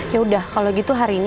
yaudah kalau gitu hari ini